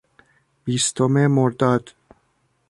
بیستم مرداد